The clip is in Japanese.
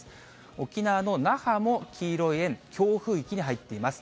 沖縄の那覇も黄色い円、強風域に入っています。